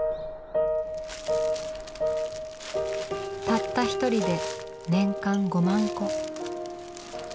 たった一人で年間５万個。